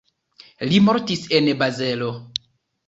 Li mortis en Bazelo.